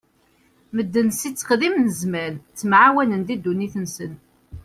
Medden si tteqdim n zzman ttemɛawanen di ddunit-nsen.